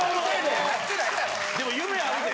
でも夢あるで。